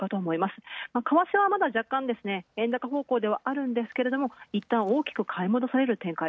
為替は若干、円高方向ではあるんですけどいったん大きく買い戻される展開。